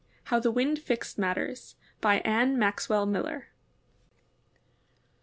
HOW THE WIND FIXED MATTERS. BY ANNE MAXWELL MILLER.